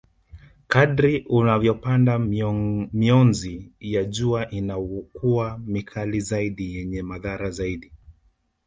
Kadri unavyopanda mionzi ya jua inakuwa mikali zaidi yenye madhara zaidi